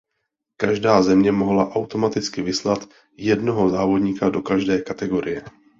Každá země mohla automaticky vyslat jednoho závodníka do každé kategorie.